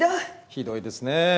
ひどいですね。